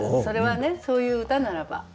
それはねそういう歌ならば。